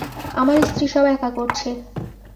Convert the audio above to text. আমার স্ত্রী সব একা করছে।